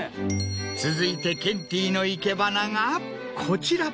続いてケンティーの生け花がこちら。